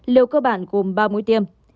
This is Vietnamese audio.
liều cơ bản gồm ba mũi tiêm